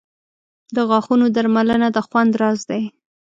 • د غاښونو درملنه د خوند راز دی.